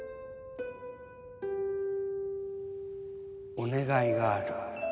お願いがある。